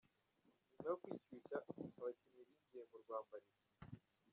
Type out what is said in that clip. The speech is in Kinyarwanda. Nyuma yo kwishyushya abakinnyi binjiye mu Rwambariro.